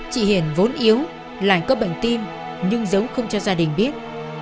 chị hiền vốn yếu lại có bệnh tim nhưng dấu không cho gia đình biết